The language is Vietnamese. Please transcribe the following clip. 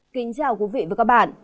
kính chào quý vị và các bạn